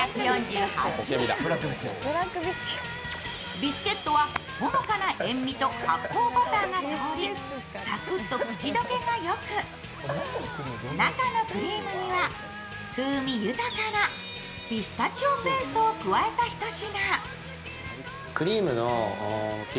ビスケットはほのかな塩みと発酵バターが香りサクッと口溶けが良く中のクリームには風味豊かなピスタチオペーストを加えたひと品。